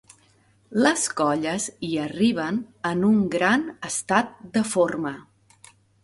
les colles hi arriben en un gran estat de forma